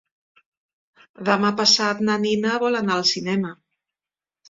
Demà passat na Nina vol anar al cinema.